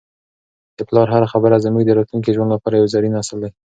د پلار هره خبره زموږ د راتلونکي ژوند لپاره یو زرین اصل دی.